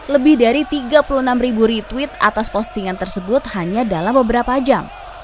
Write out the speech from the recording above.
lebih dari tiga puluh enam ribu retweet atas postingan tersebut hanya dalam beberapa jam